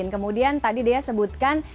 kemudian tadi dea sebutkan